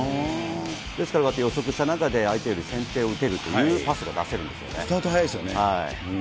ですから、予測した中で相手より先手を打てるというパスが出せるスタート速いですよね。